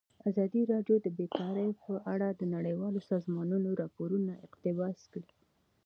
ازادي راډیو د بیکاري په اړه د نړیوالو سازمانونو راپورونه اقتباس کړي.